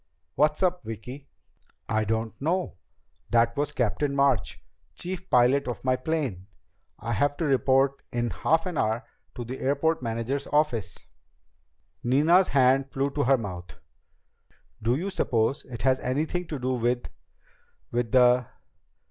"What's up, Vicki?" "I don't know. That was Captain March, chief pilot of my plane. I have to report in half an hour to the airport manager's office." Nina's hand flew to her mouth. "Do you suppose it has anything to do with ... with the